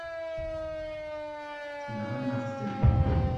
Tenɣam-aɣ-ten.